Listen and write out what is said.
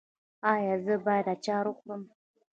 ایا زه باید اچار وخورم؟